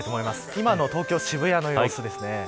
今の東京、渋谷の様子です。